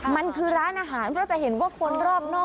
มันคือร้านอาหารเพราะจะเห็นว่าคนรอบนอก